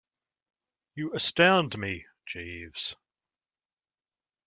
You astound me, Jeeves.